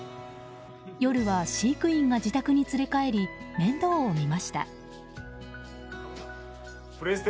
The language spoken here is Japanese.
夜は飼育員が自宅に連れ帰り面倒を見ました。